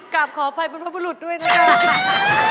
กลับขออภัยบรรพบุรุษด้วยนะครับ